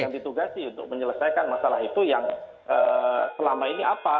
yang ditugasi untuk menyelesaikan masalah itu yang selama ini apa